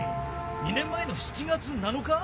２年前の７月７日？